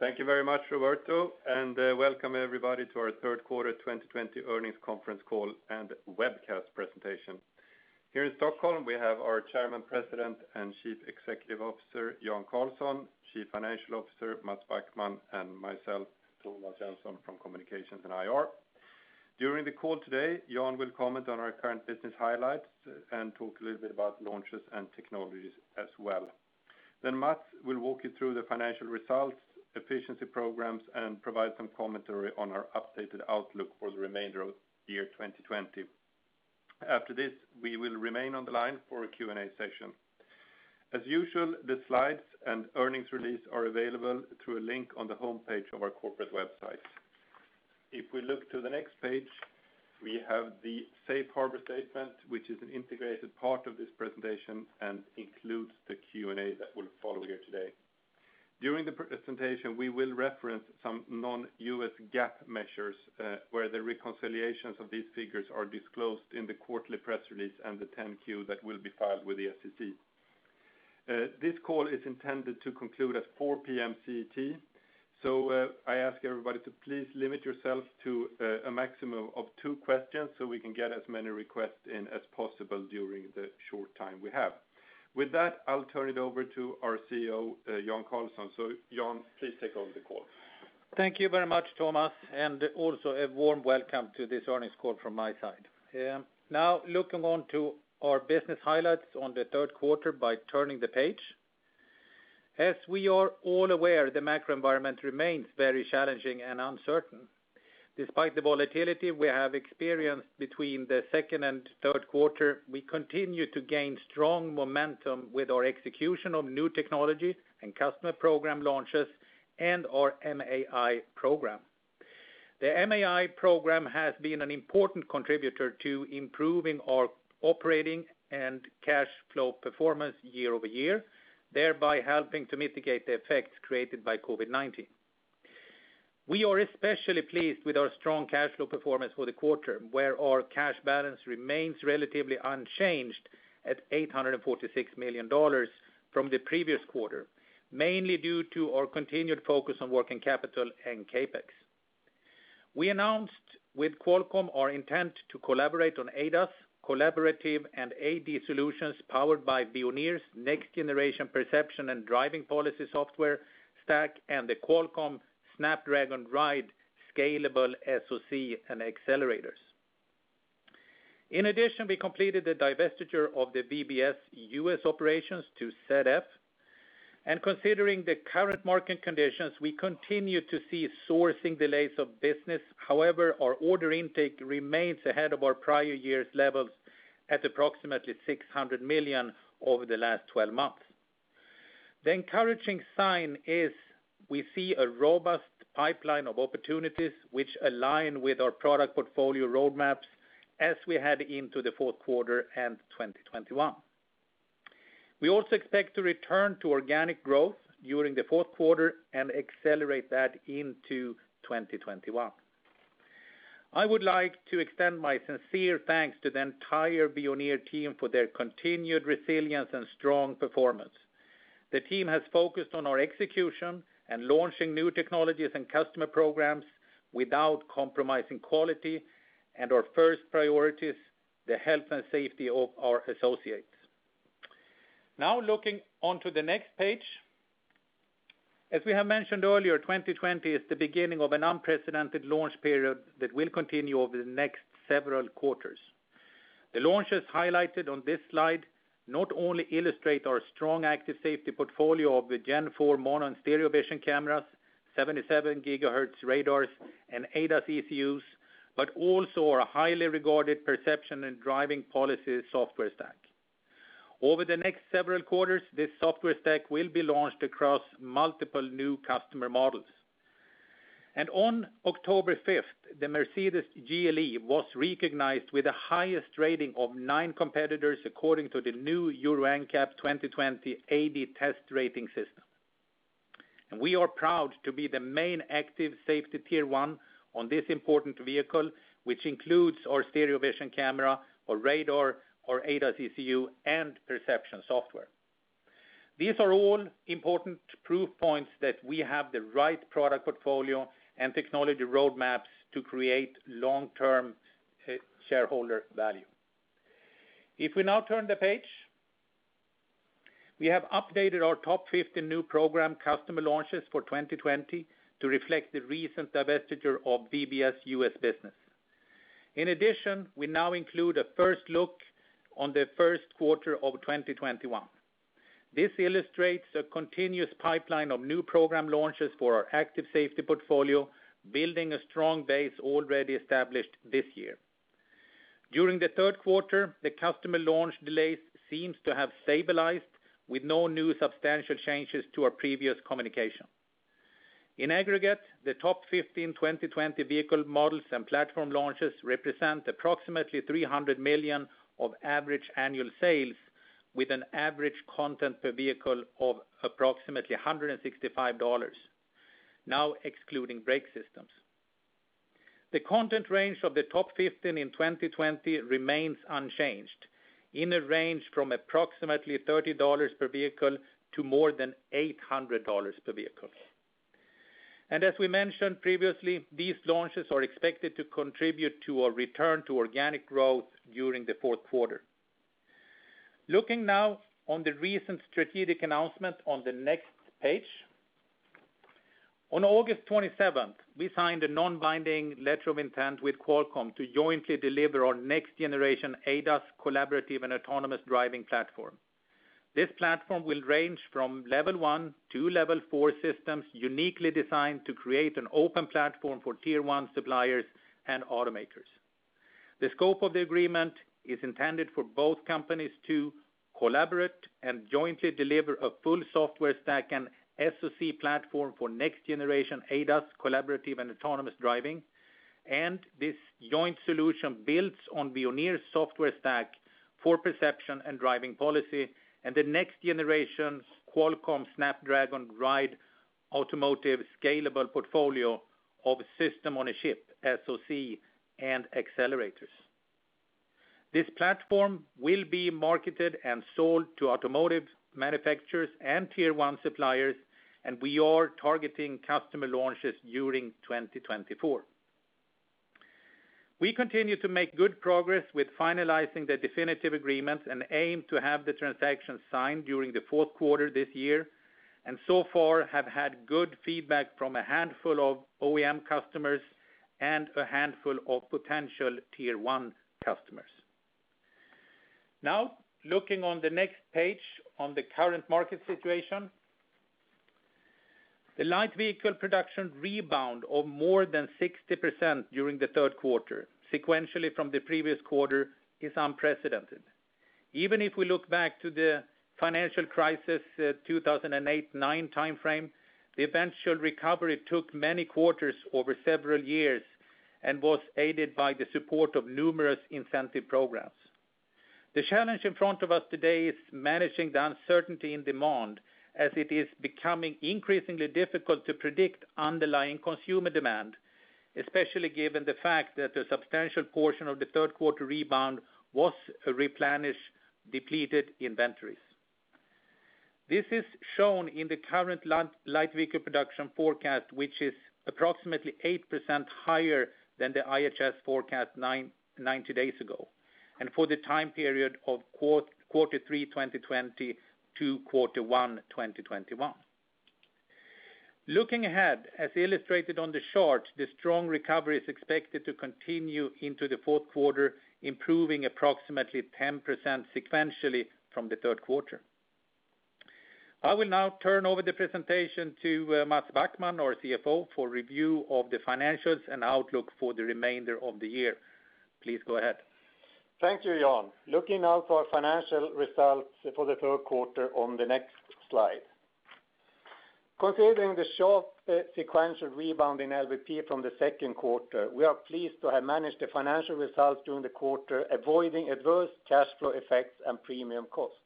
Thank you very much, Roberto, welcome everybody to our third quarter 2020 earnings conference call and webcast presentation. Here in Stockholm, we have our Chairman, President, and Chief Executive Officer, Jan Carlson, Chief Financial Officer Mats Backman, and myself, Thomas Jönsson from Communications & IR. During the call today, Jan will comment on our current business highlights and talk a little bit about launches and technologies as well. Mats will walk you through the financial results, efficiency programs, and provide some commentary on our updated outlook for the remainder of the year 2020. After this, we will remain on the line for a Q&A session. As usual, the slides and earnings release are available through a link on the homepage of our corporate website. If we look to the next page, we have the safe harbor statement, which is an integrated part of this presentation and includes the Q&A that will follow here today. During the presentation, we will reference some non-U.S. GAAP measures, where the reconciliations of these figures are disclosed in the quarterly press release and the 10-Q that will be filed with the SEC. This call is intended to conclude at 4:00 P.M. [CET]. I ask everybody to please limit yourself to a maximum of two questions so we can get as many requests in as possible during the short time we have. With that, I'll turn it over to our CEO, Jan Carlson. Jan, please take over the call. Thank you very much, Thomas, and also a warm welcome to this earnings call from my side. Looking on to our business highlights on the third quarter by turning the page. As we are all aware, the macro environment remains very challenging and uncertain. Despite the volatility we have experienced between the second and third quarter, we continue to gain strong momentum with our execution of new technology and customer program launches and our MAI program. The MAI program has been an important contributor to improving our operating and cash flow performance year-over-year, thereby helping to mitigate the effects created by COVID-19. We are especially pleased with our strong cash flow performance for the quarter, where our cash balance remains relatively unchanged at $846 million from the previous quarter, mainly due to our continued focus on working capital and CapEx. We announced with Qualcomm our intent to collaborate on ADAS, collaborative, and AD solutions powered by Veoneer's next generation perception and driving policy software stack and the Qualcomm Snapdragon Ride scalable SoC and accelerators. We completed the divestiture of the VBS U.S. operations to ZF. Considering the current market conditions, we continue to see sourcing delays of business. However, our order intake remains ahead of our prior year's levels at approximately $600 million over the last 12 months. The encouraging sign is we see a robust pipeline of opportunities which align with our product portfolio roadmaps as we head into the fourth quarter and 2021. We also expect to return to organic growth during the fourth quarter and accelerate that into 2021. I would like to extend my sincere thanks to the entire Veoneer team for their continued resilience and strong performance. The team has focused on our execution and launching new technologies and customer programs without compromising quality and our first priorities, the health and safety of our associates. Looking onto the next page. As we have mentioned earlier, 2020 is the beginning of an unprecedented launch period that will continue over the next several quarters. The launches highlighted on this slide not only illustrate our strong active safety portfolio of the Gen4 mono and stereo vision cameras, 77 GHz radars, and ADAS ECUs, but also our highly regarded perception and driving policy software stack. Over the next several quarters, this software stack will be launched across multiple new customer models. On October 5th, the Mercedes GLE was recognized with the highest rating of nine competitors according to the new Euro NCAP 2020 AD test rating system. We are proud to be the main active safety Tier 1 on this important vehicle, which includes our stereo vision camera, our radar, our ADAS ECU, and perception software. These are all important proof points that we have the right product portfolio and technology roadmaps to create long-term shareholder value. If we now turn the page, we have updated our top 15 new program customer launches for 2020 to reflect the recent divestiture of VBS U.S. business. In addition, we now include a first look on the first quarter of 2021. This illustrates a continuous pipeline of new program launches for our active safety portfolio, building a strong base already established this year. During the third quarter, the customer launch delays seems to have stabilized with no new substantial changes to our previous communication. In aggregate, the top 15 2020 vehicle models and platform launches represent approximately $300 million of average annual sales with an average content per vehicle of approximately $165, now excluding brake systems. The content range of the top 15 in 2020 remains unchanged, in a range from approximately $30 per vehicle to more than $800 per vehicle. As we mentioned previously, these launches are expected to contribute to a return to organic growth during the fourth quarter. Looking now on the recent strategic announcement on the next page. On August 27th, we signed a non-binding letter of intent with Qualcomm to jointly deliver our next generation ADAS collaborative and autonomous driving platform. This platform will range from Level 1 to Level 4 systems, uniquely designed to create an open platform for Tier 1 suppliers and automakers. The scope of the agreement is intended for both companies to collaborate and jointly deliver a full software stack and SoC platform for next generation ADAS collaborative and autonomous driving. This joint solution builds on Veoneer software stack for perception and driving policy, and the next generation Qualcomm Snapdragon Ride automotive scalable portfolio of system on a chip, SoC, and accelerators. This platform will be marketed and sold to automotive manufacturers and Tier 1 suppliers. We are targeting customer launches during 2024. We continue to make good progress with finalizing the definitive agreements and aim to have the transaction signed during the fourth quarter this year. So far have had good feedback from a handful of OEM customers and a handful of potential Tier 1 customers. Now, looking on the next page on the current market situation. The light vehicle production rebound of more than 60% during the third quarter sequentially from the previous quarter is unprecedented. Even if we look back to the financial crisis, 2008-2009 timeframe, the eventual recovery took many quarters over several years and was aided by the support of numerous incentive programs. The challenge in front of us today is managing the uncertainty in demand as it is becoming increasingly difficult to predict underlying consumer demand, especially given the fact that a substantial portion of the third quarter rebound was replenish depleted inventories. This is shown in the current light vehicle production forecast, which is approximately 8% higher than the IHS forecast 90 days ago, and for the time period of quarter three 2020 to quarter one 2021. Looking ahead, as illustrated on the chart, the strong recovery is expected to continue into the fourth quarter, improving approximately 10% sequentially from the third quarter. I will now turn over the presentation to Mats Backman, our CFO, for review of the financials and outlook for the remainder of the year. Please go ahead. Thank you, Jan. Looking now for our financial results for the third quarter on the next slide. Considering the sharp sequential rebound in LVP from the second quarter, we are pleased to have managed the financial results during the quarter, avoiding adverse cash flow effects and premium costs.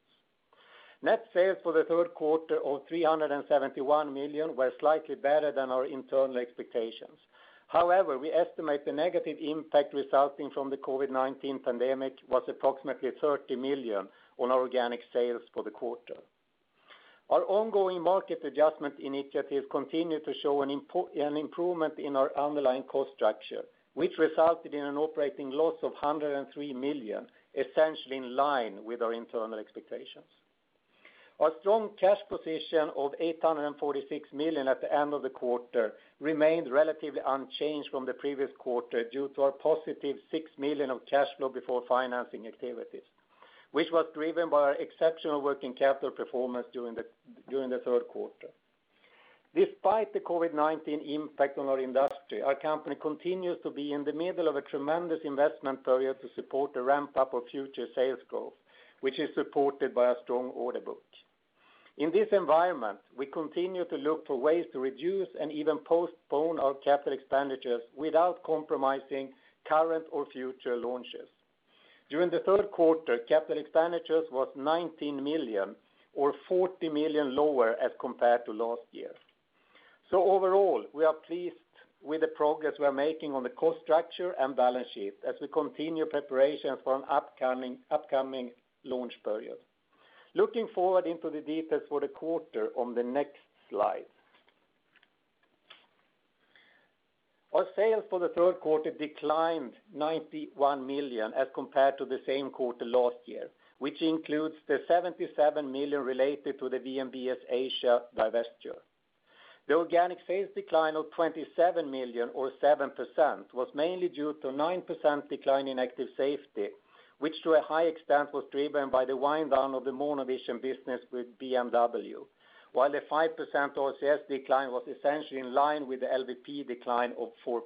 Net sales for the third quarter of $371 million were slightly better than our internal expectations. However, we estimate the negative impact resulting from the COVID-19 pandemic was approximately $30 million on our organic sales for the quarter. Our ongoing Market Adjustment Initiatives continue to show an improvement in our underlying cost structure, which resulted in an operating loss of $103 million, essentially in line with our internal expectations. Our strong cash position of $846 million at the end of the quarter remained relatively unchanged from the previous quarter due to our +$6 million of cash flow before financing activities, which was driven by our exceptional working capital performance during the third quarter. Despite the COVID-19 impact on our industry, our company continues to be in the middle of a tremendous investment period to support the ramp-up of future sales growth, which is supported by a strong order book. In this environment, we continue to look for ways to reduce and even postpone our capital expenditures without compromising current or future launches. During the third quarter, capital expenditures was $19 million or $40 million lower as compared to last year. Overall, we are pleased with the progress we are making on the cost structure and balance sheet as we continue preparations for an upcoming launch period. Looking forward into the details for the quarter on the next slide. Our sales for the third quarter declined $91 million as compared to the same quarter last year, which includes the $77 million related to the VNBS Asia divestiture. The organic sales decline of $27 million or 7% was mainly due to 9% decline in active safety, which to a high extent was driven by the wind down of the mono vision business with BMW, while the 5% RCS decline was essentially in line with the LVP decline of 4%.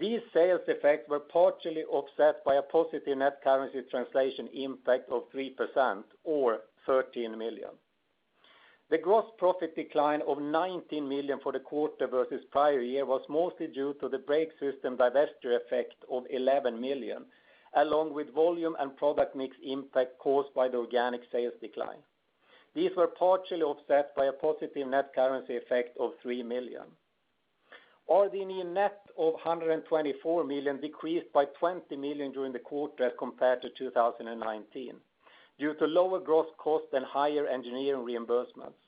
These sales effects were partially offset by a positive net currency translation impact of 3% or $13 million. The gross profit decline of $19 million for the quarter versus prior year was mostly due to the brake system divestiture effect of $11 million, along with volume and product mix impact caused by the organic sales decline. These were partially offset by a positive net currency effect of $3 million. RD&E net of $124 million decreased by $20 million during the quarter as compared to 2019 due to lower gross costs and higher engineering reimbursements.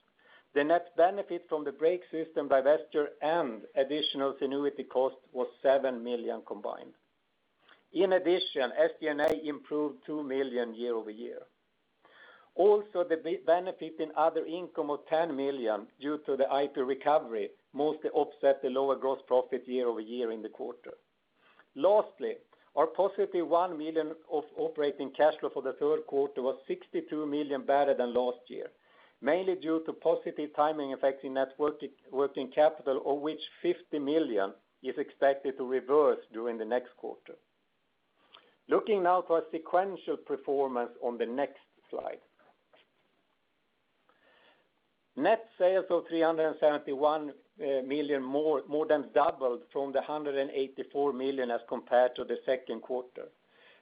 The net benefit from the brake system divestiture and additional Zenuity cost was $7 million combined. In addition, SG&A improved $2 million year-over-year. Also, the benefit in other income of $10 million due to the IP recovery mostly offset the lower gross profit year-over-year in the quarter. Lastly, our +$1 million of operating cash flow for the third quarter was $62 million better than last year, mainly due to positive timing effects in net working capital, of which $50 million is expected to reverse during the next quarter. Looking now for a sequential performance on the next slide. Net sales of $371 million more than doubled from the $184 million as compared to the second quarter,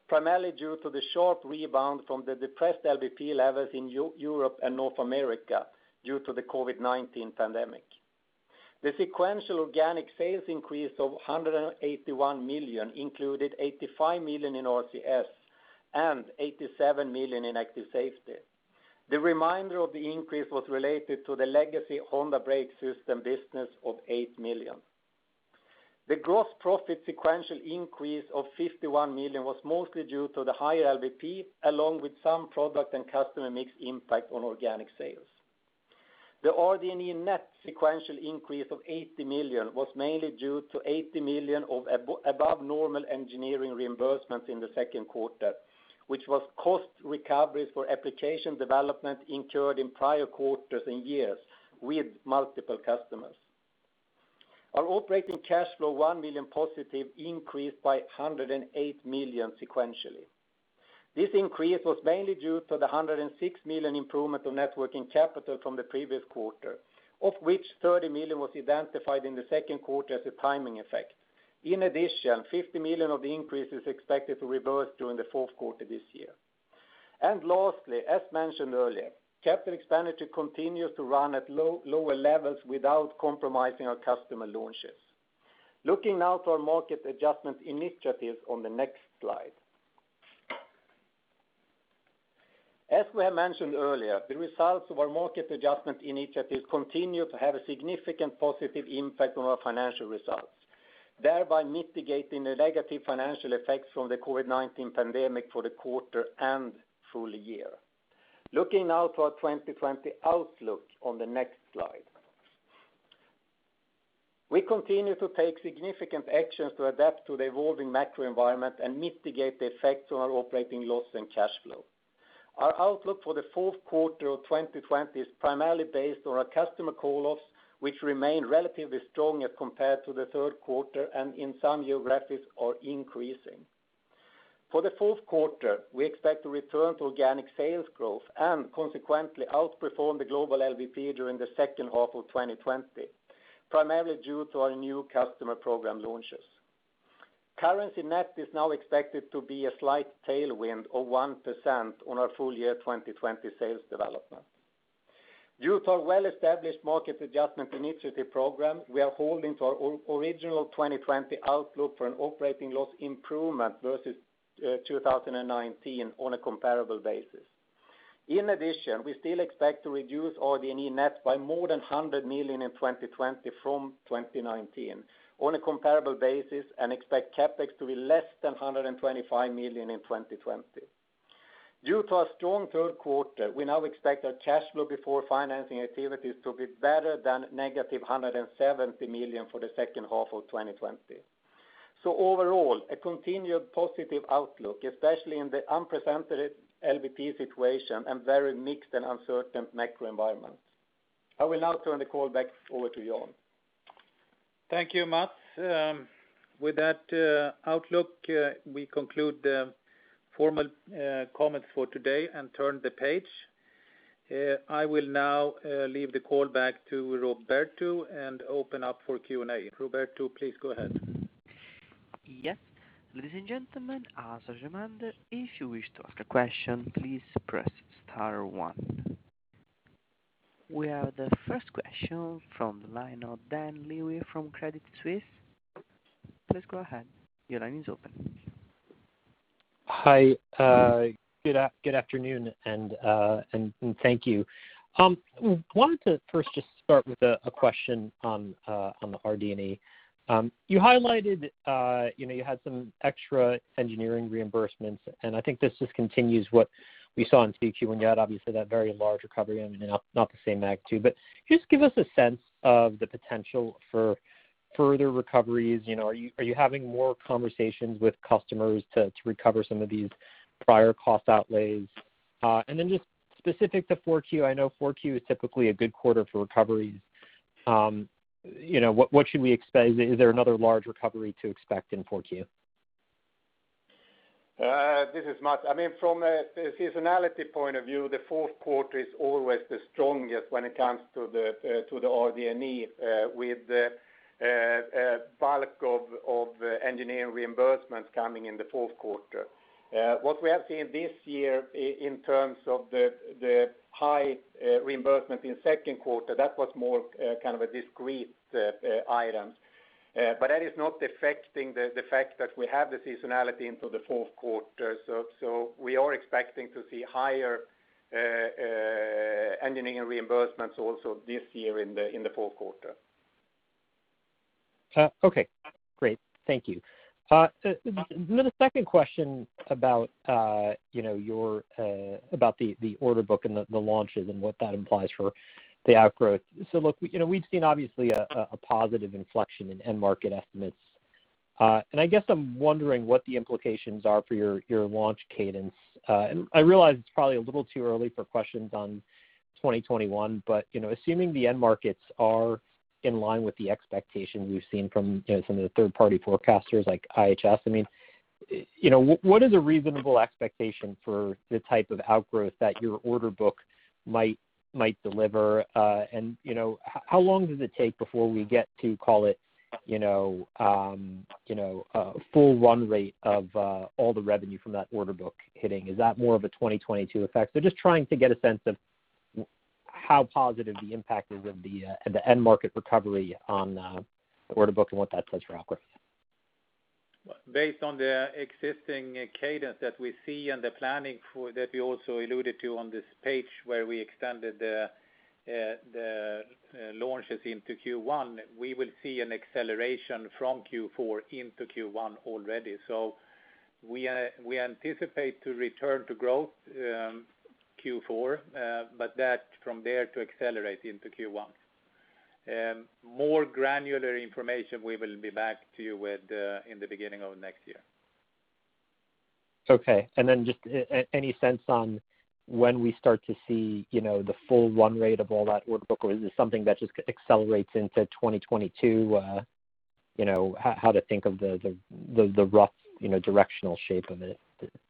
primarily due to the sharp rebound from the depressed LVP levels in Europe and North America due to the COVID-19 pandemic. The sequential organic sales increase of $181 million included $85 million in RCS and $87 million in active safety. The remainder of the increase was related to the legacy Honda brake system business of $8 million. The gross profit sequential increase of $51 million was mostly due to the higher LVP, along with some product and customer mix impact on organic sales. The RD&E net sequential increase of $80 million was mainly due to $80 million of above normal engineering reimbursements in the second quarter, which was cost recoveries for application development incurred in prior quarters and years with multiple customers. Our operating cash flow, $1 million+, increased by $108 million sequentially. This increase was mainly due to the $106 million improvement of net working capital from the previous quarter, of which $30 million was identified in the second quarter as a timing effect. In addition, $50 million of the increase is expected to reverse during the fourth quarter this year. Lastly, as mentioned earlier, capital expenditure continues to run at lower levels without compromising our customer launches. Looking now to our Market Adjustment Initiatives on the next slide. As we have mentioned earlier, the results of our Market Adjustment Initiatives continue to have a significant positive impact on our financial results, thereby mitigating the negative financial effects from the COVID-19 pandemic for the quarter and full year. Looking now to our 2020 outlook on the next slide. We continue to take significant actions to adapt to the evolving macro environment and mitigate the effects on our operating loss and cash flow. Our outlook for the fourth quarter of 2020 is primarily based on our customer call-offs, which remain relatively stronger compared to the third quarter and in some geographies are increasing. For the fourth quarter, we expect to return to organic sales growth and consequently outperform the global LVP during the second half of 2020, primarily due to our new customer program launches. Currency net is now expected to be a slight tailwind of 1% on our full year 2020 sales development. Due to our well-established Market Adjustment Initiative program, we are holding to our original 2020 outlook for an operating loss improvement versus 2019 on a comparable basis. In addition, we still expect to reduce RD&E net by more than $100 million in 2020 from 2019 on a comparable basis and expect CapEx to be less than $125 million in 2020. Due to our strong third quarter, we now expect our cash flow before financing activities to be better than -$170 million for the second half of 2020. Overall, a continued positive outlook, especially in the unprecedented LVP situation and very mixed and uncertain macro environment. I will now turn the call back over to Jan. Thank you, Mats. With that outlook, we conclude the formal comments for today and turn the page. I will now leave the call back to Roberto and open up for Q&A. Roberto, please go ahead. Yes. Ladies and gentlemen, as a reminder, if you wish to ask a question, please press star one. We have the first question from the line of Dan Levy from Credit Suisse. Please go ahead. Your line is open. Hi. Good afternoon, and thank you. I wanted to first just start with a question on the RD&E. You highlighted you had some extra engineering reimbursements, and I think this just continues what we saw in 2Q when you had, obviously, that very large recovery. Just give us a sense of the potential for further recoveries. Are you having more conversations with customers to recover some of these prior cost outlays? Just specific to 4Q, I know 4Q is typically a good quarter for recoveries. What should we expect? Is there another large recovery to expect in 4Q? This is Mats. From a seasonality point of view, the fourth quarter is always the strongest when it comes to the RD&E, with the bulk of engineering reimbursements coming in the fourth quarter. What we have seen this year in terms of the high reimbursement in the second quarter, that was more a discrete item. That is not affecting the fact that we have the seasonality into the fourth quarter. We are expecting to see higher engineering reimbursements also this year in the fourth quarter. Okay, great. Thank you. A second question about the order book and the launches and what that implies for the outgrowth. Look, we've seen obviously a positive inflection in end market estimates. I guess I'm wondering what the implications are for your launch cadence. I realize it's probably a little too early for questions on 2021, but assuming the end markets are in line with the expectations we've seen from some of the third-party forecasters like IHS, what is a reasonable expectation for the type of outgrowth that your order book might deliver? How long does it take before we get to call it a full run rate of all the revenue from that order book hitting? Is that more of a 2022 effect? Just trying to get a sense of how positive the impact is of the end market recovery on the order book and what that says for outgrowth. Based on the existing cadence that we see and the planning that we also alluded to on this page where we extended the launches into Q1, we will see an acceleration from Q4 into Q1 already. We anticipate to return to growth Q4, but that from there to accelerate into Q1. More granular information we will be back to you with in the beginning of next year. Okay. Just any sense on when we start to see the full run rate of all that order book, or is this something that just accelerates into 2022? How to think of the rough directional shape of it?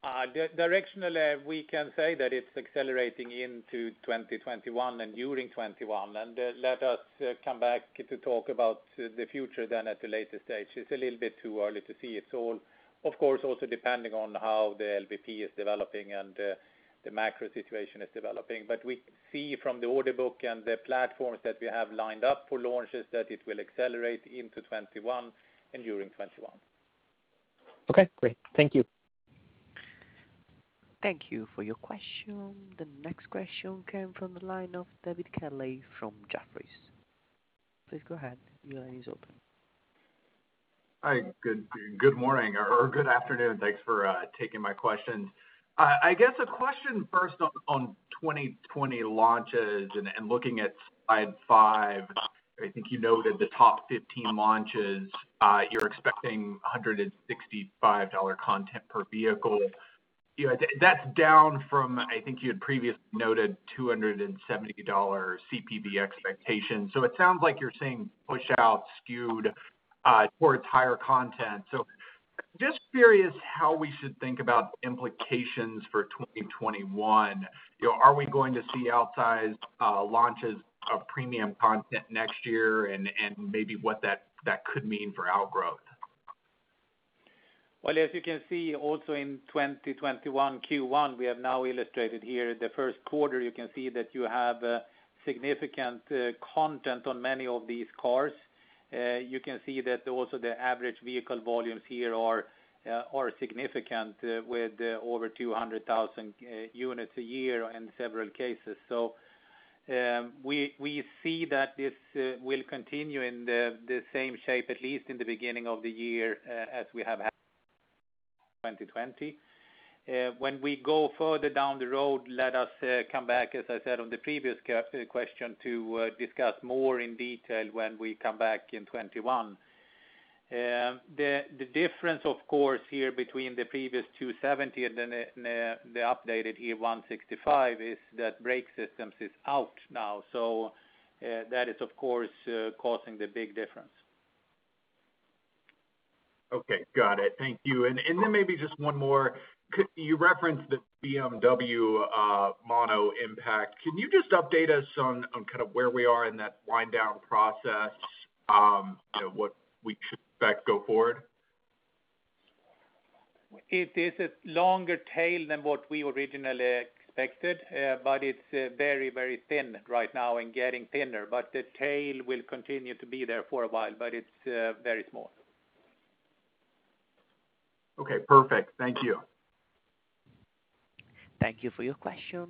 Directionally, we can say that it's accelerating into 2021 and during 2021. Let us come back to talk about the future then at a later stage. It's a little bit too early to see it all. Of course, also depending on how the LVP is developing and the macro situation is developing. We see from the order book and the platforms that we have lined up for launches that it will accelerate into 2021 and during 2021. Okay, great. Thank you. Thank you for your question. The next question came from the line of David Kelley from Jefferies. Please go ahead. Your line is open. Hi, good morning or good afternoon. Thanks for taking my questions. I guess a question first on 2020 launches and looking at slide five, I think you noted the top 15 launches. You're expecting $165 content per vehicle. That's down from, I think you had previously noted $270 CPV expectation. It sounds like you're seeing push out skewed towards higher content. Just curious how we should think about the implications for 2021. Are we going to see outsized launches of premium content next year and maybe what that could mean for outgrowth? Well, as you can see also in 2021 Q1, we have now illustrated here the first quarter, you can see that you have significant content on many of these cars. You can see that also the average vehicle volumes here are significant with over 200,000 units a year in several cases. We see that this will continue in the same shape, at least in the beginning of the year, as we have had 2020. We go further down the road, let us come back, as I said on the previous question, to discuss more in detail when we come back in 2021. The difference, of course, here between the previous 270 and the updated here 165 is that brake systems is out now. That is, of course, causing the big difference. Okay. Got it. Thank you. Maybe just one more. You referenced the BMW mono impact. Can you just update us on kind of where we are in that wind down process? What we should expect go forward? It is a longer tail than what we originally expected. It's very, very thin right now and getting thinner. The tail will continue to be there for a while, but it's very small. Okay, perfect. Thank you. Thank you for your question.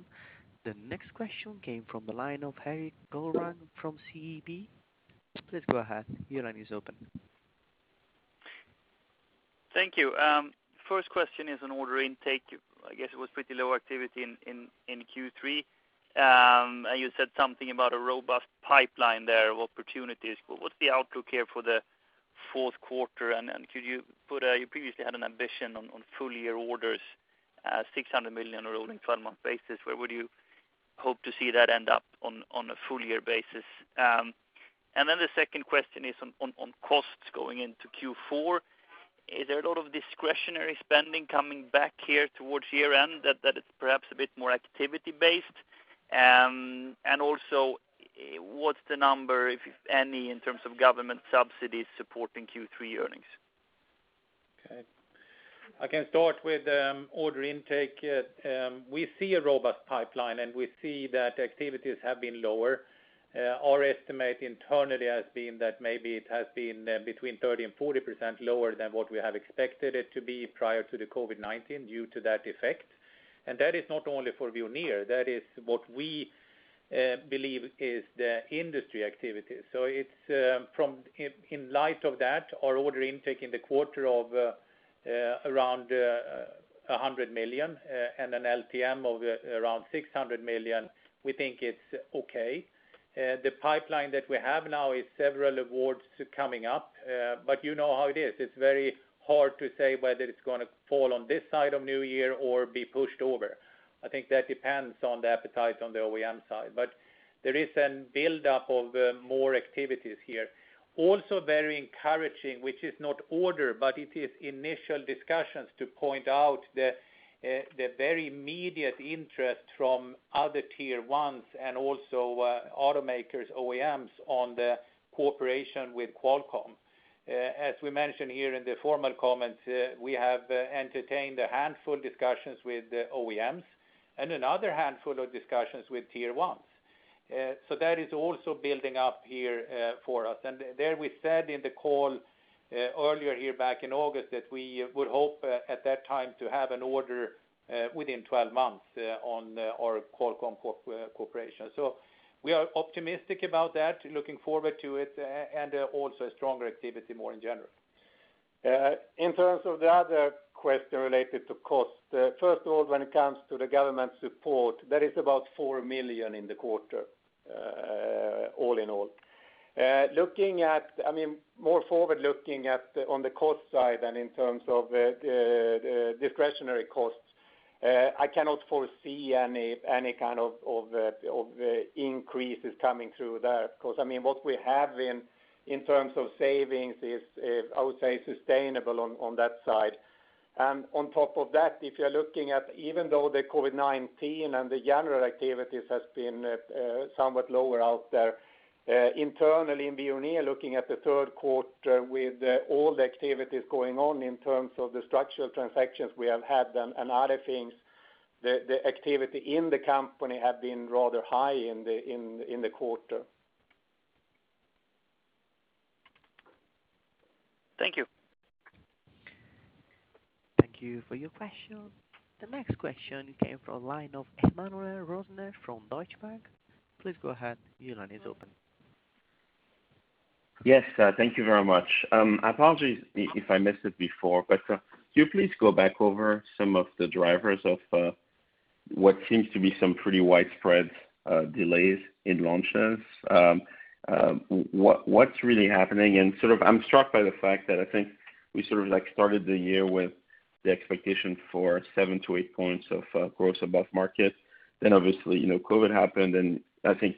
The next question came from the line of Erik Golrang from SEB. Please go ahead. Your line is open. Thank you. First question is on order intake. I guess it was pretty low activity in Q3. You said something about a robust pipeline there of opportunities. What's the outlook here for the fourth quarter, and could you— you previously had an ambition on full year orders $600 million rolling 12-month basis, where would you hope to see that end up on a full year basis? Then the second question is on costs going into Q4. Is there a lot of discretionary spending coming back here towards year-end that is perhaps a bit more activity-based? Also, what's the number, if any, in terms of government subsidies supporting Q3 earnings? Okay. I can start with order intake. We see a robust pipeline, and we see that activities have been lower. Our estimate internally has been that maybe it has been between 30% and 40% lower than what we have expected it to be prior to the COVID-19 due to that effect. That is not only for Veoneer, that is what we believe is the industry activity. In light of that, our order intake in the quarter of around $100 million and an LTM of around $600 million, we think it's okay. The pipeline that we have now is several awards coming up, but you know how it is. It's very hard to say whether it's going to fall on this side of New Year or be pushed over. I think that depends on the appetite on the OEM side. There is a buildup of more activities here. Very encouraging, which is not order, but it is initial discussions to point out the very immediate interest from other Tier 1s and also automakers, OEMs on the cooperation with Qualcomm. As we mentioned here in the formal comments, we have entertained a handful discussions with the OEMs and another handful of discussions with Tier 1s. That is also building up here for us. There we said in the call earlier here back in August that we would hope at that time to have an order within 12 months on our Qualcomm cooperation. We are optimistic about that, looking forward to it, and also a stronger activity more in general. In terms of the other question related to cost, first of all, when it comes to the government support, that is about $4 million in the quarter all in all. More forward looking on the cost side in terms of discretionary costs, I cannot foresee any kind of increases coming through there because what we have in terms of savings is, I would say, sustainable on that side. On top of that, if you're looking at even though the COVID-19 and the general activities has been somewhat lower out there, internally in Veoneer, looking at the third quarter with all the activities going on in terms of the structural transactions we have had and other things, the activity in the company have been rather high in the quarter. Thank you. Thank you for your question. The next question came from line of Emmanuel Rosner from Deutsche Bank. Please go ahead. Your line is open. Yes, thank you very much. Apologies if I missed it before, could you please go back over some of the drivers of what seems to be some pretty widespread delays in launches. What's really happening? I'm struck by the fact that I think we sort of started the year with the expectation for seven to eight points of growth above market. Obviously, COVID happened, I think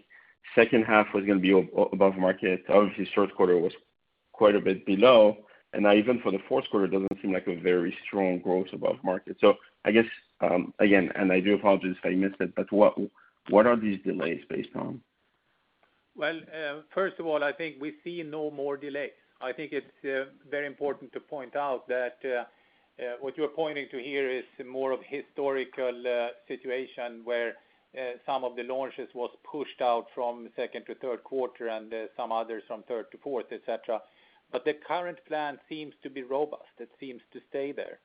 the second half was going to be above market. Obviously, the third quarter was quite a bit below. Now even for the fourth quarter, it doesn't seem like a very strong growth above market. I guess, again, I do apologize if I missed it, what are these delays based on? Well, first of all, I think we see no more delays. I think it's very important to point out that what you're pointing to here is more of a historical situation where some of the launches was pushed out from second to third quarter and some others from third to fourth, et cetera. The current plan seems to be robust. It seems to stay there.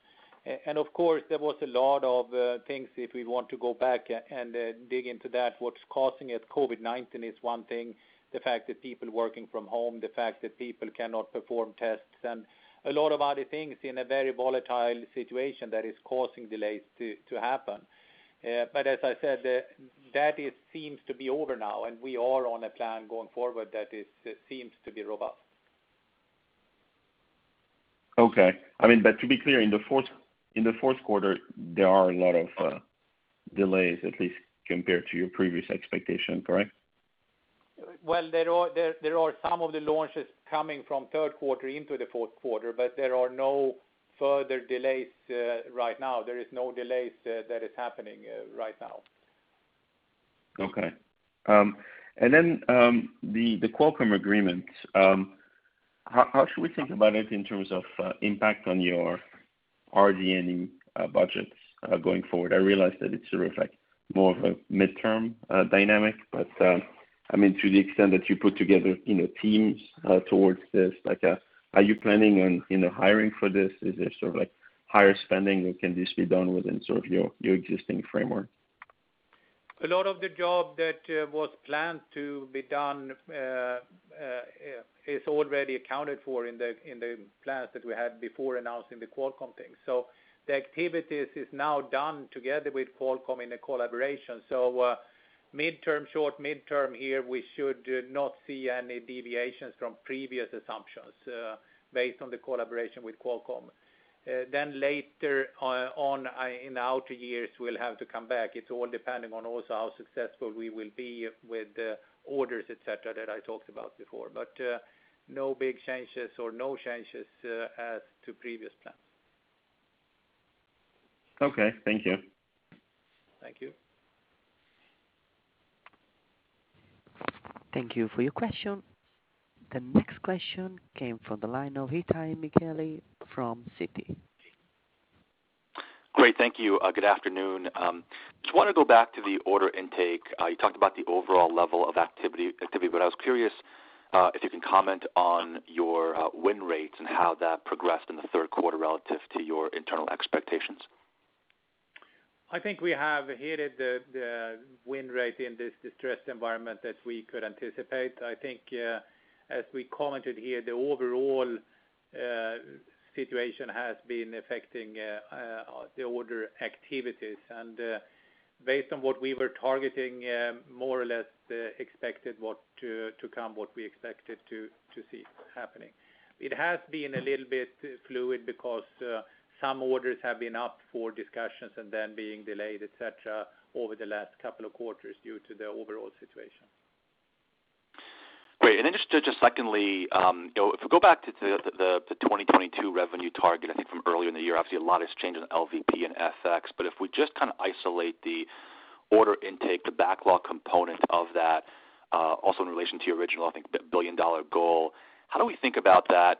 Of course, there was a lot of things if we want to go back and dig into that. What's causing it? COVID-19 is one thing. The fact that people working from home, the fact that people cannot perform tests, and a lot of other things in a very volatile situation that is causing delays to happen. As I said, that seems to be over now, and we are on a plan going forward that seems to be robust. Okay. To be clear, in the fourth quarter, there are a lot of delays, at least compared to your previous expectation, correct? There are some of the launches coming from the third quarter into the fourth quarter, but there are no further delays right now. There is no delays that is happening right now. Okay. The Qualcomm agreement. How should we think about it in terms of impact on your R&D budgets going forward? I realize that it's sort of more of a midterm dynamic, to the extent that you put together teams towards this, are you planning on hiring for this? Is there sort of higher spending, can this be done within sort of your existing framework? A lot of the job that was planned to be done is already accounted for in the plans that we had before announcing the Qualcomm thing. The activities is now done together with Qualcomm in a collaboration. Midterm, short midterm here, we should not see any deviations from previous assumptions based on the collaboration with Qualcomm. Later on in the outer years, we'll have to come back. It's all depending on also how successful we will be with the orders, et cetera, that I talked about before. No big changes or no changes as to previous plans. Okay. Thank you. Thank you. Thank you for your question. The next question came from the line of Itay Michaeli from Citi. Great. Thank you. Good afternoon. Just want to go back to the order intake. You talked about the overall level of activity. I was curious if you can comment on your win rates and how that progressed in the third quarter relative to your internal expectations. I think we have hit the win rate in this distressed environment that we could anticipate. I think as we commented here, the overall situation has been affecting the order activities. Based on what we were targeting, more or less expected what to come, what we expected to see happening. It has been a little bit fluid because some orders have been up for discussions and then being delayed, et cetera, over the last couple of quarters due to the overall situation. Great. Then just secondly, if we go back to the 2022 revenue target, I think from earlier in the year, obviously a lot has changed in LVP and FX. If we just isolate the order intake, the backlog component of that, also in relation to your original, I think, $1 billion goal, how do we think about that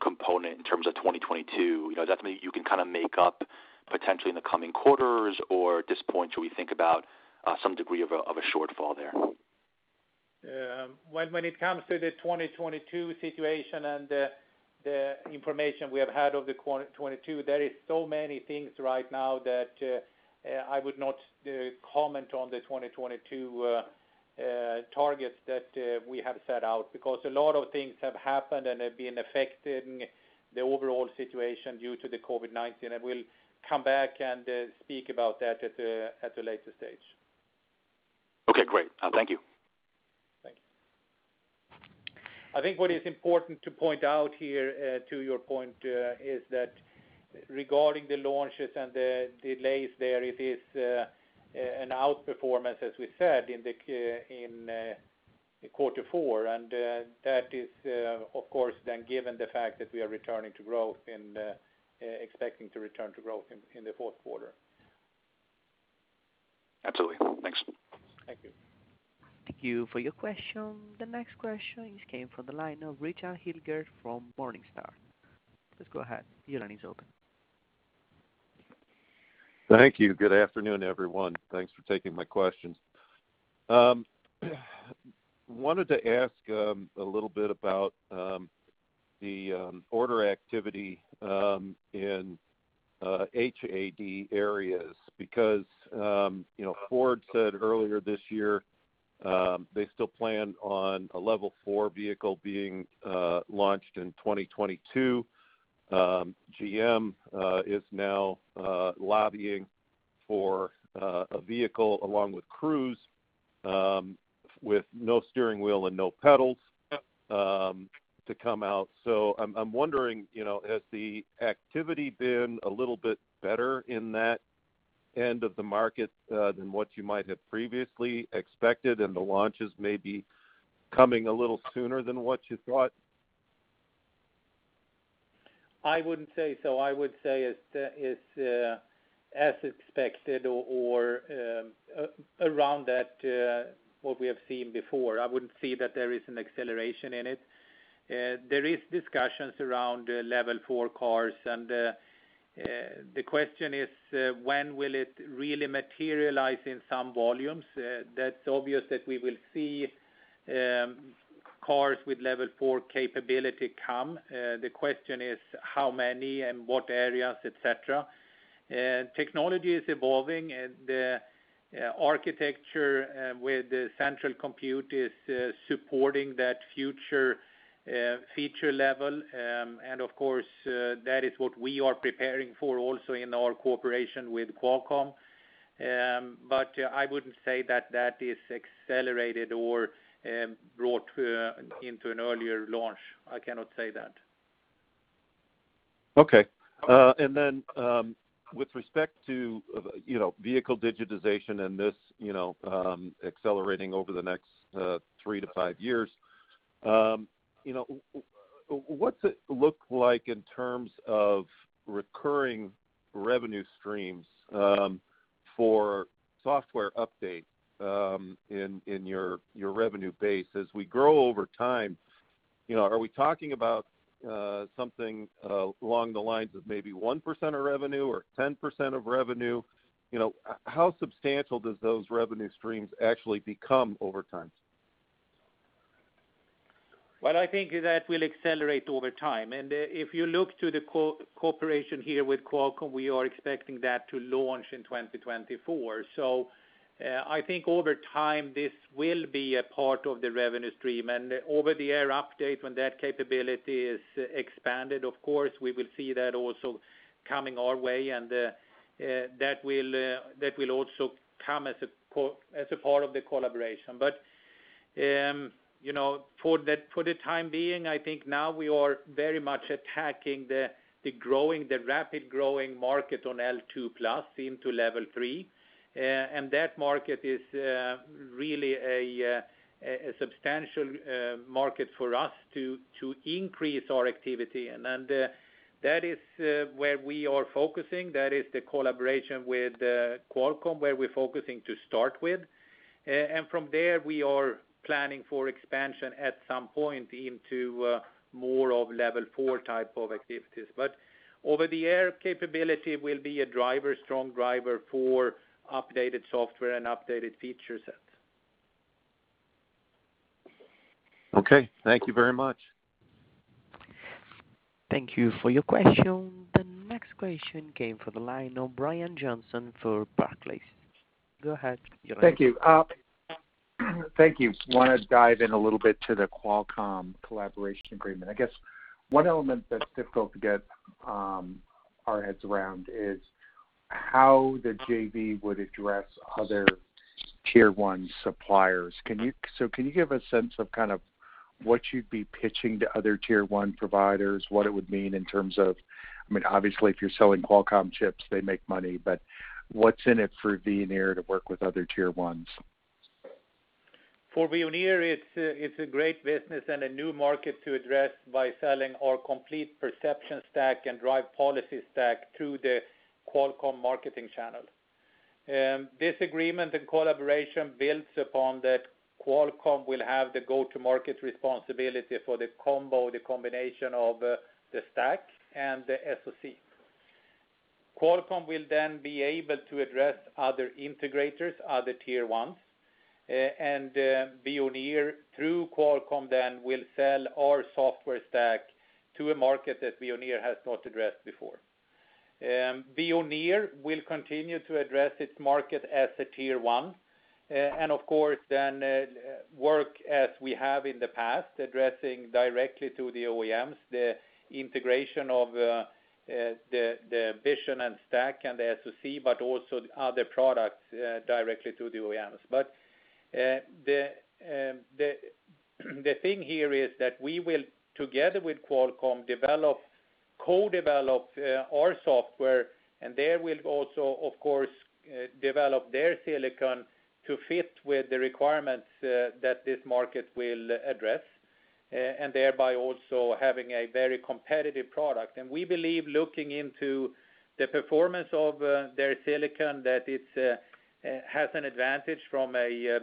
component in terms of 2022? Is that something you can make up potentially in the coming quarters? At this point, should we think about some degree of a shortfall there? When it comes to the 2022 situation and the information we have had of the 2022, there is so many things right now that I would not comment on the 2022 targets that we have set out because a lot of things have happened and have been affecting the overall situation due to the COVID-19. We'll come back and speak about that at a later stage. Okay, great. Thank you. Thank you. I think what is important to point out here to your point is that regarding the launches and the delays there, it is an outperformance, as we said, in quarter four. That is, of course, then given the fact that we are expecting to return to growth in the fourth quarter. Absolutely. Thanks. Thank you. Thank you for your question. The next question came from the line of Richard Hilgert from Morningstar. Please go ahead. Your line is open. Thank you. Good afternoon, everyone. Thanks for taking my questions. Wanted to ask a little bit about the order activity in HAD areas because Ford said earlier this year they still plan on a Level 4 vehicle being launched in 2022. GM is now lobbying for a vehicle along with Cruise with no steering wheel and no pedals to come out. I'm wondering, has the activity been a little bit better in that end of the market than what you might have previously expected, and the launches may be coming a little sooner than what you thought? I wouldn't say so. I would say it's as expected or around that what we have seen before. I wouldn't see that there is an acceleration in it. There is discussions around Level 4 cars. The question is when will it really materialize in some volumes? That's obvious that we will see cars with Level 4 capability come. The question is how many and what areas, et cetera. Technology is evolving. The architecture with the central compute is supporting that future feature level. Of course, that is what we are preparing for also in our cooperation with Qualcomm. I wouldn't say that that is accelerated or brought into an earlier launch. I cannot say that. Okay. Then with respect to vehicle digitization and this accelerating over the next three to five years, what's it look like in terms of recurring revenue streams for software updates in your revenue base? As we grow over time, are we talking about something along the lines of maybe 1% of revenue or 10% of revenue? How substantial does those revenue streams actually become over time? What I think is that will accelerate over time. If you look to the cooperation here with Qualcomm, we are expecting that to launch in 2024. I think over time, this will be a part of the revenue stream. Over the air update, when that capability is expanded, of course, we will see that also coming our way, and that will also come as a part of the collaboration. For the time being, I think now we are very much attacking the rapid growing market on L2+ into Level 3. That market is really a substantial market for us to increase our activity in. That is where we are focusing. That is the collaboration with Qualcomm, where we're focusing to start with. From there, we are planning for expansion at some point into more of Level 4 type of activities. Over-the-air capability will be a strong driver for updated software and updated feature sets. Okay. Thank you very much. Thank you for your question. The next question came from the line of Brian Johnson for Barclays. Go ahead. You're on. Thank you. Want to dive in a little bit to the Qualcomm collaboration agreement. I guess one element that's difficult to get our heads around is how the JV would address other Tier 1 suppliers. Can you give a sense of what you'd be pitching to other Tier 1 providers? What it would mean in terms of, obviously, if you're selling Qualcomm chips, they make money, but what's in it for Veoneer to work with other Tier 1s? For Veoneer, it's a great business and a new market to address by selling our complete perception stack and drive policy stack through the Qualcomm marketing channel. This agreement and collaboration builds upon that Qualcomm will have the go-to market responsibility for the combo, the combination of the stack and the SoC. Qualcomm will then be able to address other integrators, other Tier 1s, and Veoneer, through Qualcomm then, will sell our software stack to a market that Veoneer has not addressed before. Veoneer will continue to address its market as a Tier 1, and of course then work as we have in the past, addressing directly to the OEMs, the integration of the vision and stack and the SoC, but also other products directly to the OEMs. The thing here is that we will, together with Qualcomm, co-develop our software, and they will also, of course, develop their silicon to fit with the requirements that this market will address, and thereby also having a very competitive product. We believe looking into the performance of their silicon, that it has an advantage from a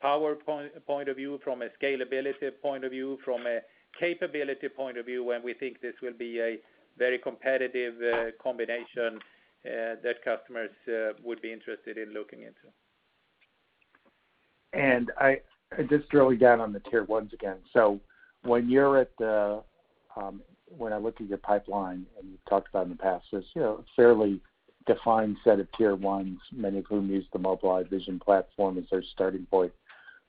power point of view, from a scalability point of view, from a capability point of view, and we think this will be a very competitive combination that customers would be interested in looking into. Just drilling down on the Tier 1s again. When I look at your pipeline, and you've talked about in the past, this fairly defined set of Tier 1s, many of whom use the Mobileye vision platform as their starting point,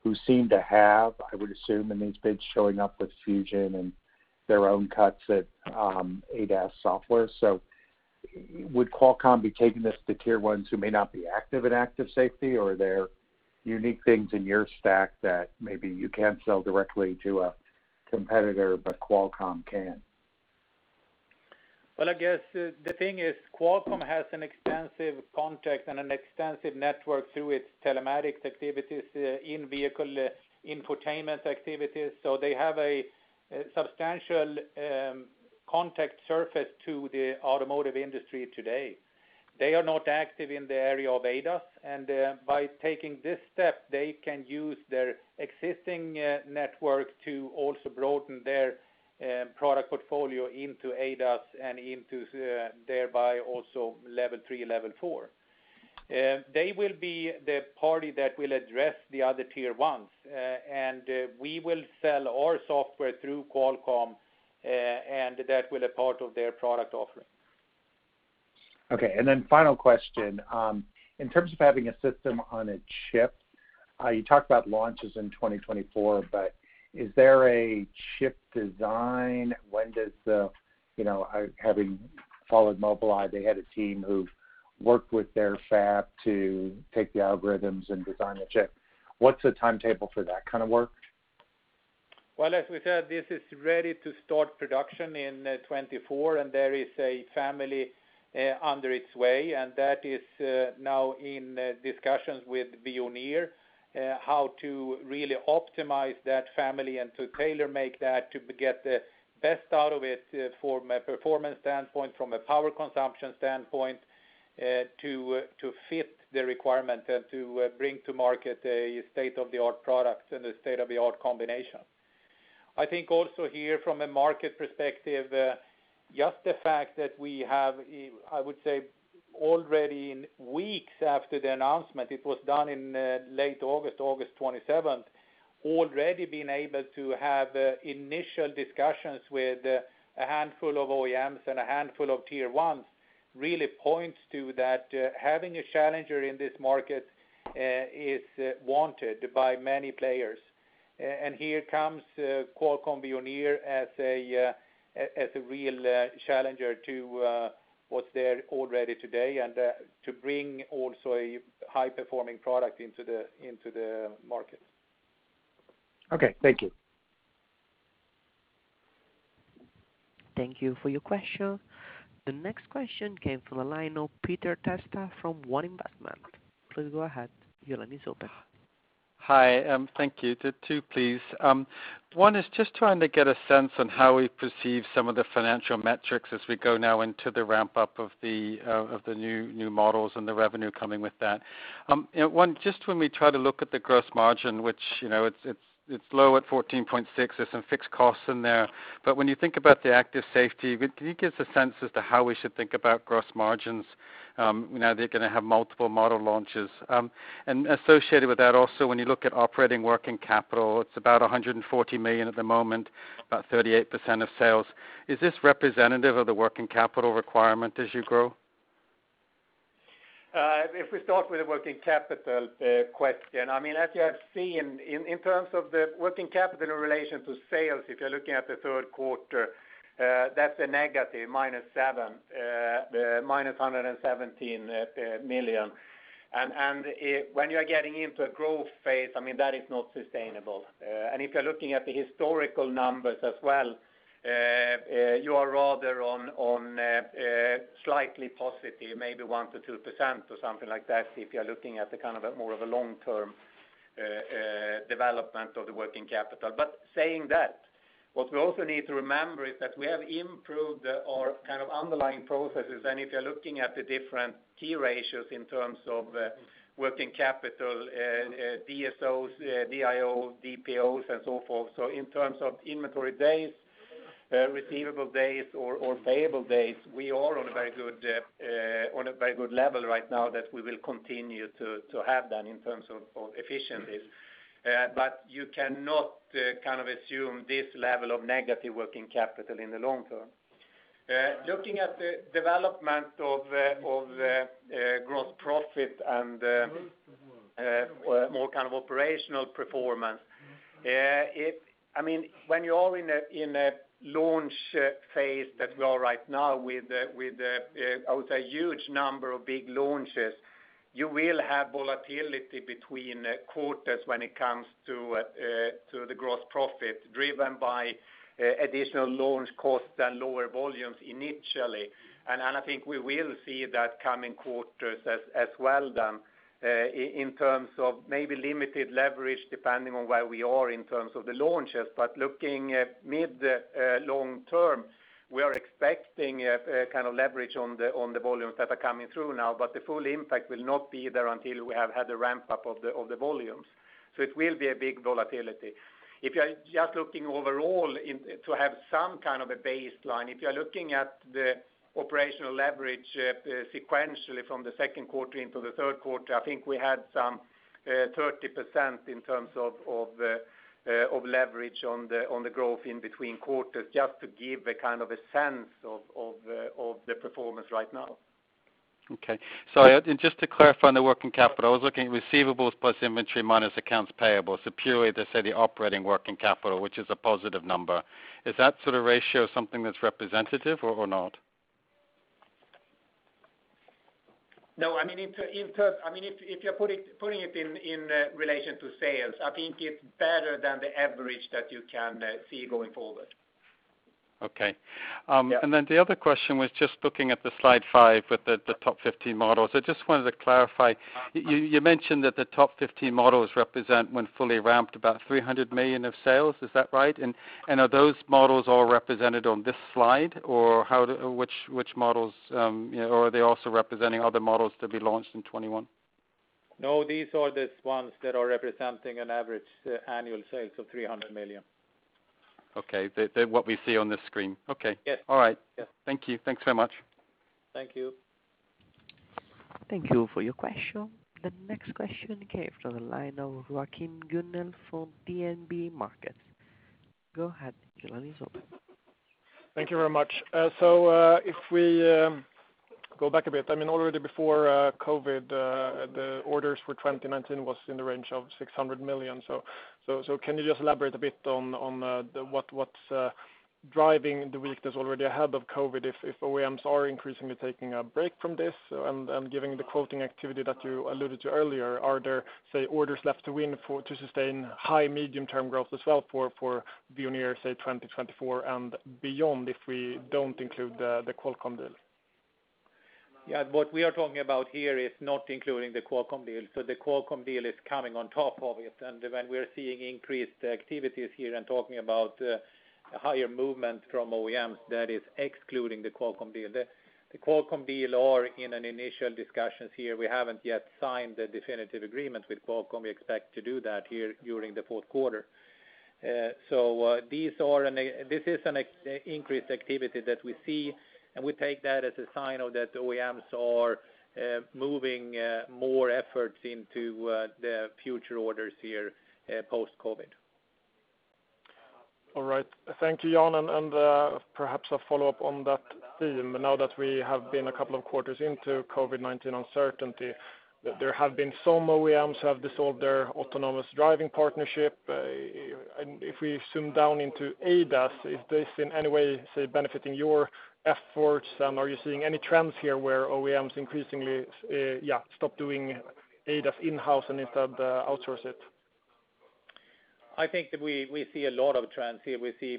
who seem to have, I would assume in these bids, showing up with fusion and their own cuts at ADAS software. Would Qualcomm be taking this to Tier 1s who may not be active in active safety? Or are there unique things in your stack that maybe you can't sell directly to a competitor, but Qualcomm can? I guess the thing is Qualcomm has an extensive contact and an extensive network through its telematics activities, in-vehicle infotainment activities. They have a substantial contact surface to the automotive industry today. They are not active in the area of ADAS, and by taking this step, they can use their existing network to also broaden their product portfolio into ADAS and into thereby also Level 3 and Level 4. They will be the party that will address the other Tier 1s, and we will sell our software through Qualcomm, and that with a part of their product offering. Final question. In terms of having a system on a chip, you talked about launches in 2024, but is there a chip design? Having followed Mobileye, they had a team who worked with their fab to take the algorithms and design a chip. What's the timetable for that kind of work? As we said, this is ready to start production in 2024, and there is a family under its way, and that is now in discussions with Veoneer, how to really optimize that family and to tailor-make that to get the best out of it from a performance standpoint, from a power consumption standpoint, to fit the requirement and to bring to market a state-of-the-art product and a state-of-the-art combination. I think also here from a market perspective, just the fact that we have, I would say, already in weeks after the announcement, it was done in late August 27th, already been able to have initial discussions with a handful of OEMs and a handful of Tier 1s really points to that having a challenger in this market is wanted by many players. Here comes Qualcomm-Veoneer as a real challenger to what's there already today and to bring also a high-performing product into the market. Okay. Thank you. Thank you for your question. The next question came from the line of Peter Testa from One Investments. Please go ahead. Your line is open. Hi. Thank you. Two, please. One is just trying to get a sense on how we perceive some of the financial metrics as we go now into the ramp-up of the new models and the revenue coming with that. One, just when we try to look at the gross margin, which it's low at 14.6%, there's some fixed costs in there. When you think about the active safety, can you give us a sense as to how we should think about gross margins now they're going to have multiple model launches? Associated with that also, when you look at operating working capital, it's about $140 million at the moment, about 38% of sales. Is this representative of the working capital requirement as you grow? If we start with the working capital question, as you have seen in terms of the working capital in relation to sales, if you're looking at the third quarter, that's a -$117 million. When you're getting into a growth phase, that is not sustainable. If you're looking at the historical numbers as well, you are rather on slightly positive, maybe 1%-2% or something like that, if you're looking at the more of a long-term development of the working capital. Saying that, what we also need to remember is that we have improved our underlying processes, and if you're looking at the different key ratios in terms of working capital, DSOs, DIO, DPOs, and so forth. In terms of inventory days, receivable days or payable days, we are on a very good level right now that we will continue to have that in terms of efficiencies. You cannot assume this level of negative working capital in the long term. Looking at the development of gross profit and more kind of operational performance. When you're all in a launch phase that we are right now with, I would say huge number of big launches, you will have volatility between quarters when it comes to the gross profit driven by additional launch costs and lower volumes initially. I think we will see that coming quarters as well then, in terms of maybe limited leverage depending on where we are in terms of the launches. Looking mid-long term, we are expecting a kind of leverage on the volumes that are coming through now, but the full impact will not be there until we have had the ramp-up of the volumes. It will be a big volatility. If you are just looking overall to have some kind of a baseline, if you're looking at the operational leverage sequentially from the second quarter into the third quarter, I think we had some 30% in terms of leverage on the growth in between quarters, just to give a kind of a sense of the performance right now. Okay. Sorry. Just to clarify on the working capital, I was looking at receivables plus inventory, minus accounts payable. Purely to say the operating working capital, which is a positive number. Is that sort of ratio something that's representative or not? No, if you're putting it in relation to sales, I think it's better than the average that you can see going forward. Okay. Yeah. The other question was just looking at the slide five with the top 15 models. I just wanted to clarify, you mentioned that the top 15 models represent when fully ramped about $300 million of sales. Is that right? Are those models all represented on this slide? Or are they also representing other models to be launched in 2021? These are the ones that are representing an average annual sales of $300 million. Okay. They're what we see on the screen. Okay. Yes. All right. Yes. Thank you. Thanks very much. Thank you. Thank you for your question. The next question came from the line of Joachim Gunell from DNB Markets. Go ahead. Your line is open. Thank you very much. If we go back a bit, already before COVID, the orders for 2019 was in the range of $600 million. Can you just elaborate a bit on what's driving the weakness already ahead of COVID? If OEMs are increasingly taking a break from this and giving the quoting activity that you alluded to earlier, are there, say, orders left to win to sustain high medium-term growth as well for Veoneer, say 2024 and beyond if we don't include the Qualcomm deal? Yeah. What we are talking about here is not including the Qualcomm deal. The Qualcomm deal is coming on top of it. When we're seeing increased activities here and talking about higher movement from OEMs, that is excluding the Qualcomm deal. The Qualcomm deal are in an initial discussions here. We haven't yet signed the definitive agreement with Qualcomm. We expect to do that here during the fourth quarter. This is an increased activity that we see, and we take that as a sign that OEMs are moving more efforts into the future orders here post-COVID. All right. Thank you, Jan. Perhaps a follow-up on that theme. Now that we have been a couple of quarters into COVID-19 uncertainty, there have been some OEMs have dissolved their autonomous driving partnership. If we zoom down into ADAS, is this in any way, say, benefiting your efforts? Are you seeing any trends here where OEMs increasingly stop doing ADAS in-house and instead outsource it? I think that we see a lot of trends here. We see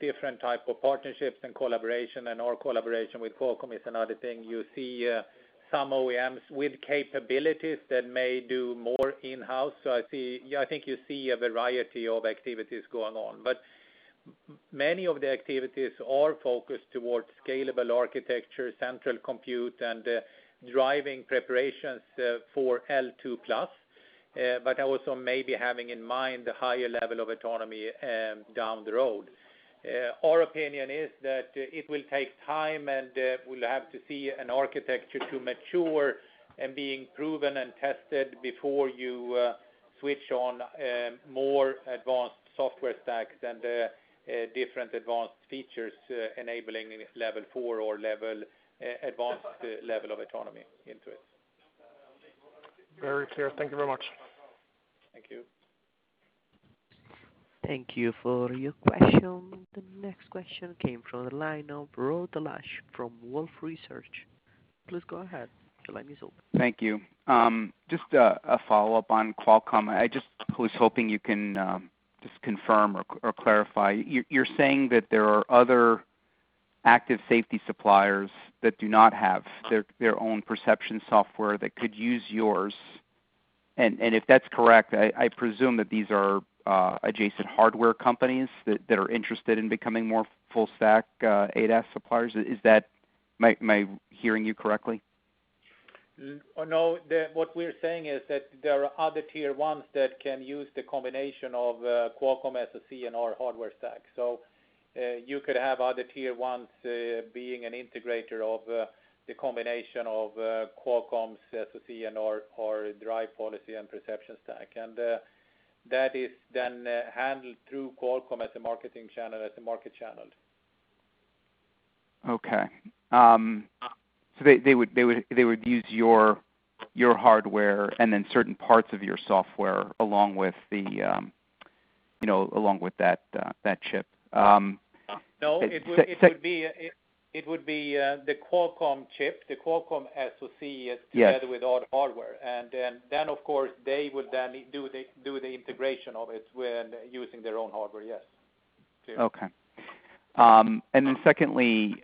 different type of partnerships and collaboration, our collaboration with Qualcomm is another thing. You see some OEMs with capabilities that may do more in-house. I think you see a variety of activities going on. Many of the activities are focused towards scalable architecture, central compute, and driving preparations for L2+, but also maybe having in mind the higher level of autonomy down the road. Our opinion is that it will take time, we'll have to see an architecture to mature and being proven and tested before you switch on more advanced software stacks and different advanced features enabling Level 4 or advanced level of autonomy into it. Very clear. Thank you very much. Thank you. Thank you for your question. The next question came from the line of Rod Lache from Wolfe Research. Please go ahead. Your line is open. Thank you. Just a follow-up on Qualcomm. I just was hoping you can just confirm or clarify. You're saying that there are other active safety suppliers that do not have their own perception software that could use yours. If that's correct, I presume that these are adjacent hardware companies that are interested in becoming more full stack ADAS suppliers. Am I hearing you correctly? No. What we're saying is that there are other Tier 1s that can use the combination of Qualcomm SoC and our hardware stack. You could have other Tier 1s being an integrator of the combination of Qualcomm's SoC and our drive policy and perception stack. That is then handled through Qualcomm as a market channel. Okay. They would use your hardware and then certain parts of your software along with that chip. No, it would be the Qualcomm chip, the Qualcomm SoC together with our hardware. Then, of course, they would then do the integration of it when using their own hardware. Yes. Secondly,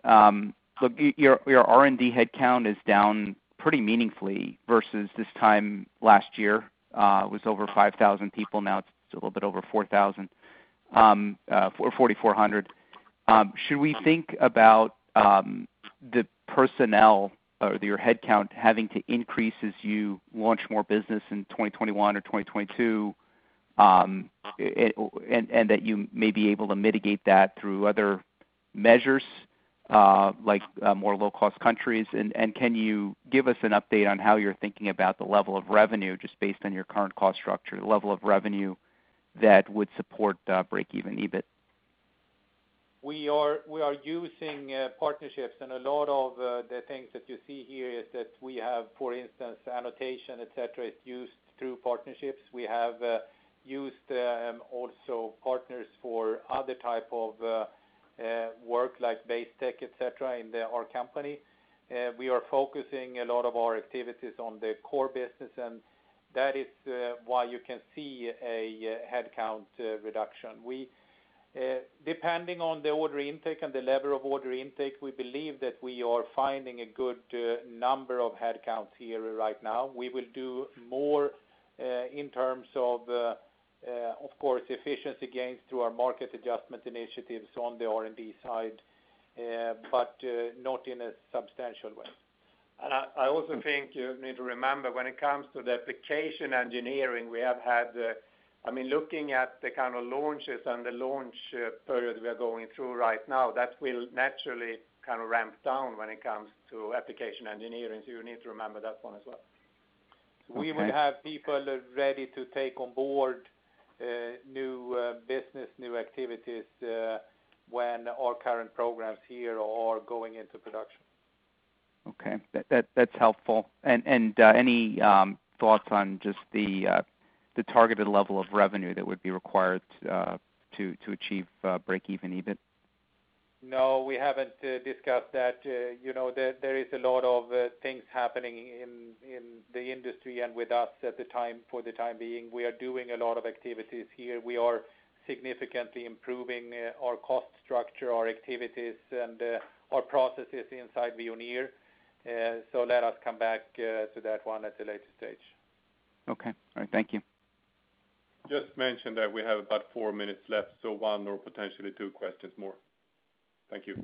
your R&D headcount is down pretty meaningfully versus this time last year. It was over 5,000 people, now it's a little bit over 4,000, 4,400. Should we think about the personnel or your headcount having to increase as you launch more business in 2021 or 2022, and that you may be able to mitigate that through other measures, like more low-cost countries? Can you give us an update on how you're thinking about the level of revenue just based on your current cost structure, the level of revenue that would support breakeven EBIT? We are using partnerships, and a lot of the things that you see here is that we have, for instance, annotation, et cetera, is used through partnerships. We have used also partners for other type of work like base tech, et cetera, in our company. We are focusing a lot of our activities on the core business, and that is why you can see a headcount reduction. Depending on the order intake and the level of order intake, we believe that we are finding a good number of headcounts here right now. We will do more in terms, of course, efficiency gains through our Market Adjustment Initiatives on the R&D side, but not in a substantial way. I also think you need to remember when it comes to the application engineering, I mean, looking at the kind of launches and the launch period we are going through right now, that will naturally kind of ramp down when it comes to application engineering. You need to remember that one as well. We will have people ready to take on board new business, new activities, when our current programs here are going into production. Okay. That's helpful. Any thoughts on just the targeted level of revenue that would be required to achieve breakeven EBIT? No, we haven't discussed that. There is a lot of things happening in the industry and with us at the time. For the time being, we are doing a lot of activities here. We are significantly improving our cost structure, our activities, and our processes inside Veoneer. Let us come back to that one at a later stage. Okay. All right. Thank you. Just to mention that we have about four minutes left, so one or potentially two questions more. Thank you.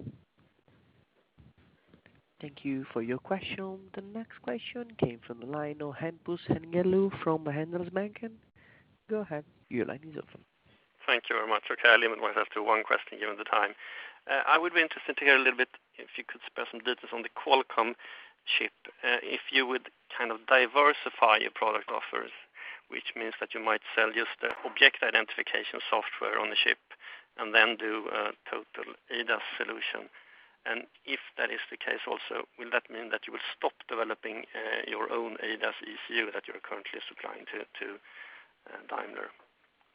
Thank you for your question. The next question came from the line of Hampus Engellau from Handelsbanken. Go ahead, your line is open. Thank you very much. Okay, I limit myself to one question, given the time. I would be interested to hear a little bit, if you could spare some details on the Qualcomm, if you would kind of diversify your product offers, which means that you might sell just the object identification software on the chip and then do a total ADAS solution. If that is the case also, will that mean that you will stop developing your own ADAS ECU that you're currently supplying to Daimler?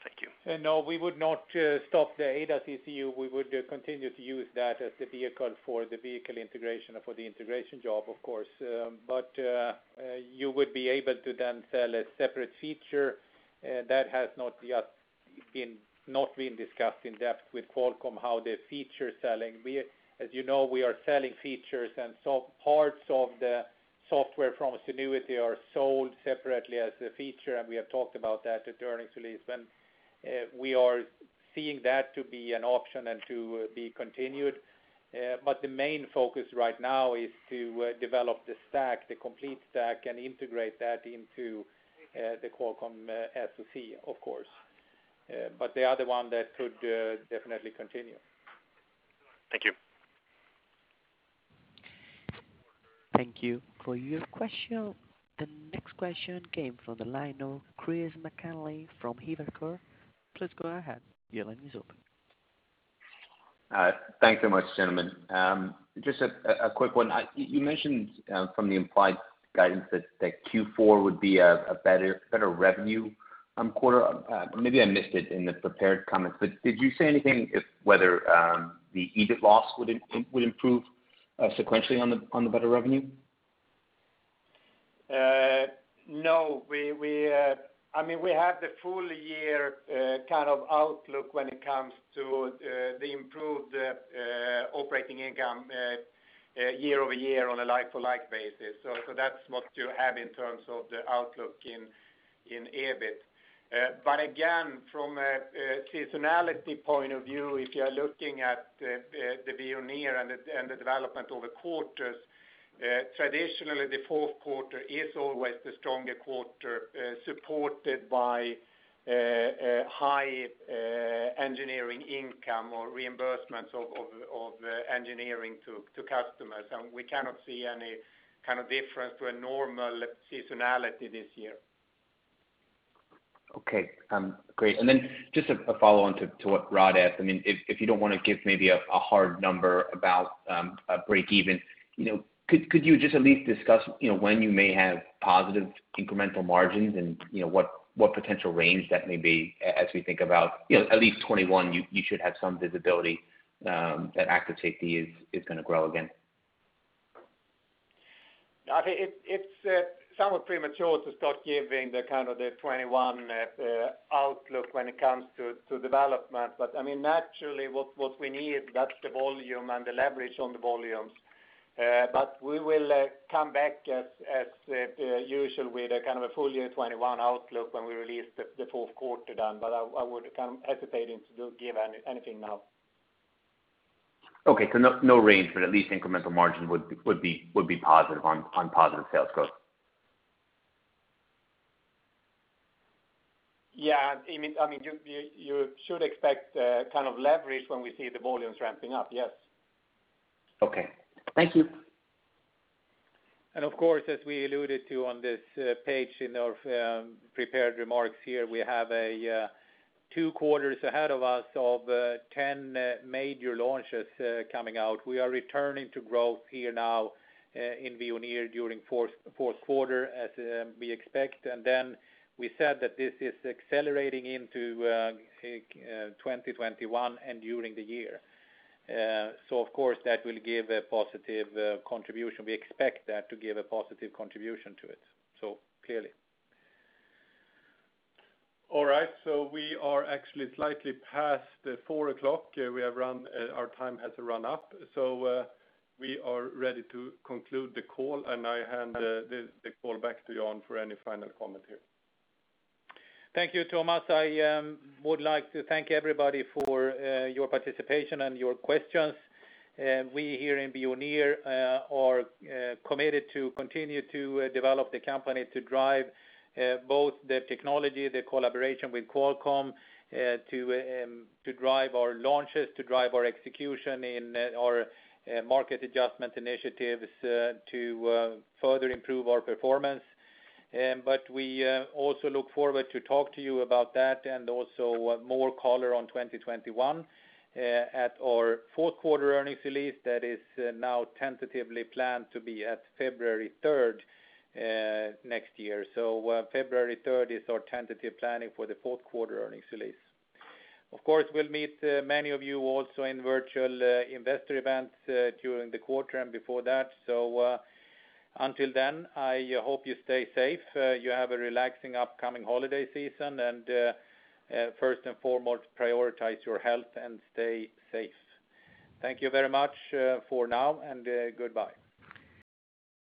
Thank you. No, we would not stop the ADAS ECU. We would continue to use that as the vehicle for the vehicle integration, for the integration job, of course. You would be able to then sell a separate feature that has not yet It's not been discussed in depth with Qualcomm how the feature selling. As you know, we are selling features. Parts of the software from Zenuity are sold separately as a feature, and we have talked about that at earnings release. We are seeing that to be an option and to be continued. The main focus right now is to develop the complete stack and integrate that into the Qualcomm SoC, of course. The other one that could definitely continue. Thank you. Thank you for your question. The next question came from the line of Chris McNally from Evercore .Please go ahead, your line is open. Thanks so much, gentlemen. Just a quick one. You mentioned from the implied guidance that Q4 would be a better revenue quarter. Maybe I missed it in the prepared comments, did you say anything whether the EBIT loss would improve sequentially on the better revenue? No. We have the full year kind of outlook when it comes to the improved operating income year-over-year on a like-for-like basis. That's what you have in terms of the outlook in EBIT. Again, from a seasonality point of view, if you are looking at the Veoneer and the development over quarters, traditionally the fourth quarter is always the stronger quarter supported by high engineering income or reimbursements of engineering to customers. We cannot see any kind of difference to a normal seasonality this year. Okay, great. Just a follow-on to what Rod asked. If you don't want to give maybe a hard number about a break even, could you just at least discuss when you may have positive incremental margins and what potential range that may be as we think about at least 2021, you should have some visibility that active safety is going to grow again? It's somewhat premature to start giving the kind of the 2021 outlook when it comes to development. Naturally, what we need, that's the volume and the leverage on the volumes. We will come back as usual with a full year 2021 outlook when we release the fourth quarter. I would hesitate to give anything now. Okay. No range, but at least incremental margin would be positive on positive sales growth. Yeah. You should expect leverage when we see the volumes ramping up, yes. Okay. Thank you. Of course, as we alluded to on this page in our prepared remarks here, we have two quarters ahead of us of 10 major launches coming out. We are returning to growth here now in Veoneer during fourth quarter as we expect. Then we said that this is accelerating into 2021 and during the year. Of course, that will give a positive contribution. We expect that to give a positive contribution to it. All right, we are actually slightly past 4:00 P.M. Our time has run up. We are ready to conclude the call, and I hand the call back to Jan for any final comment here. Thank you, Thomas. I would like to thank everybody for your participation and your questions. We here in Veoneer are committed to continue to develop the company to drive both the technology, the collaboration with Qualcomm to drive our launches, to drive our execution in our Market Adjustment Initiatives to further improve our performance. We also look forward to talk to you about that and also more color on 2021 at our fourth quarter earnings release that is now tentatively planned to be at February 3rd next year. February 3rd is our tentative planning for the fourth quarter earnings release. Of course, we'll meet many of you also in virtual investor events during the quarter and before that. Until then, I hope you stay safe, you have a relaxing upcoming holiday season, and first and foremost, prioritize your health and stay safe. Thank you very much for now, and goodbye.